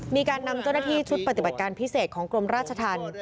มีการนำเจ้าหน้าที่ชุดปฏิบัติการพิเศษของกรมราชธรรม